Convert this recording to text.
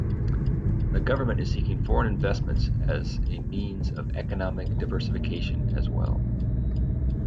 The government is seeking foreign investment as a means of economic diversification as well.